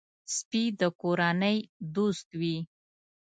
سپي د کورنۍ دوست وي.